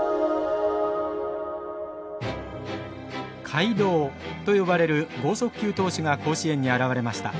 怪童と呼ばれる剛速球投手が甲子園に現れました。